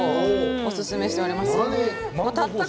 おすすめしております。